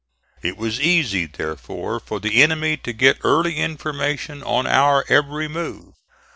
It was easy, therefore, for the enemy to get early information of our every move.